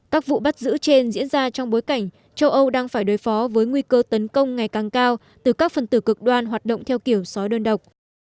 các vụ bắt giữ trên diễn ra trong bối cảnh châu âu đang phải đối phó với nguy cơ tấn công ngày càng cao từ các phần tử cực đoan hoạt động theo kiểu sói đơn độc